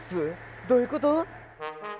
どういうこと？